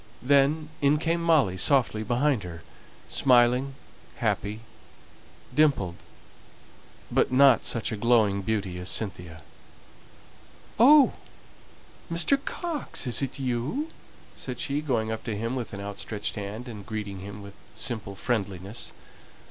Then in came Molly softly behind her, smiling, happy, dimpled; but not such a glowing beauty as Cynthia. "Oh, Mr. Coxe, is it you?" said she, going up to him with an outstretched hand, and greeting him with simple friendliness.